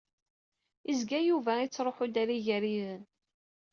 Izga Yuba ittruḥu-d ɣer Igariden.